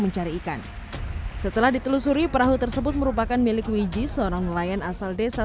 mencari ikan setelah ditelusuri perahu tersebut merupakan milik wiji seorang nelayan asal desa